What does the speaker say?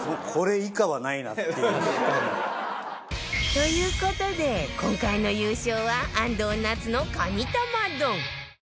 という事で今回の優勝は安藤なつのカニ玉丼